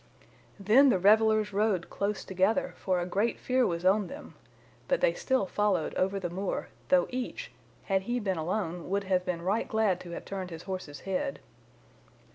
Then the revellers rode close together, for a great fear was on them, but they still followed over the moor, though each, had he been alone, would have been right glad to have turned his horse's head.